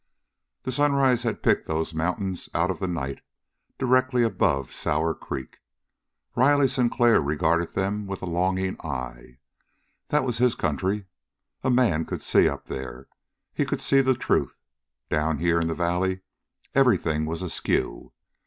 The sunrise had picked those mountains out of the night, directly above Sour Creek. Riley Sinclair regarded them with a longing eye. That was his country. A man could see up there, and he could see the truth. Down here in the valley everything was askew.